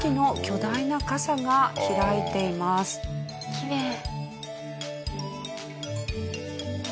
きれい。